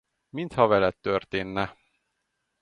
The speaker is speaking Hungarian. Mintha veled történne.